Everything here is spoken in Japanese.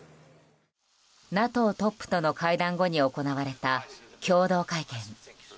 ＮＡＴＯトップとの会談後に行われた共同会見。